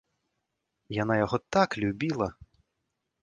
Яна яго так любіла!